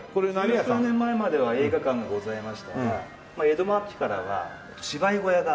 十数年前までは映画館がございましたが江戸末期からは芝居小屋が。